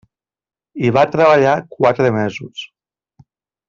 Hi va treballar quatre mesos.